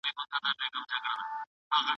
اوس د مطرب ستوني کي نسته پرونۍ سندري